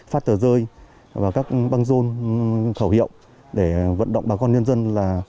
phát tờ rơi và các băng rôn khẩu hiệu để vận động bà con nhân dân là